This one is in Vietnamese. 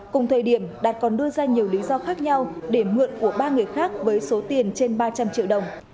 cùng thời điểm đạt còn đưa ra nhiều lý do khác nhau để mượn của ba người khác với số tiền trên ba trăm linh triệu đồng